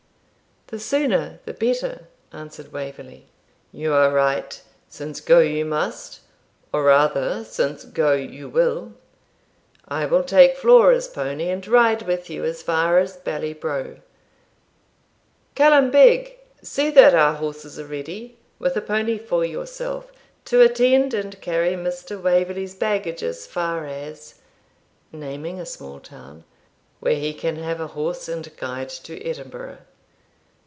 'The sooner the better,' answered Waverley. 'You are right, since go you must, or rather, since go you will. I will take Flora's pony and ride with you as far as Bally Brough. Callum Beg, see that our horses are ready, with a pony for yourself, to attend and carry Mr. Waverley's baggage as far as (naming a small town), where he can have a horse and guide to Edinburgh.